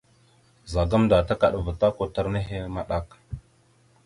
Ɓəza gamənda takaɗava ta kwatar nehe maɗak.